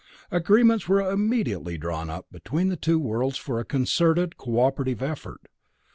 Agreements were immediately drawn up between the two worlds for a concerted, cooperative effort.